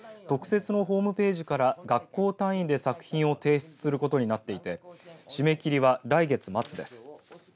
特設のホームページから学校単位で作品を提出することになっていて締め切りは来月末です。